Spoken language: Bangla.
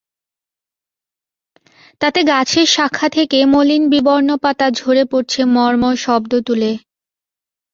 তাতে গাছের শাখা থেকে মলিন বিবর্ণ পাতা ঝরে পড়ছে মর্মর শব্দ তুলে।